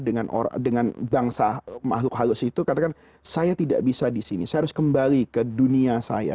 dengan orang dengan bangsa makhluk halus itu katakan saya tidak bisa di sini saya harus kembali ke dunia saya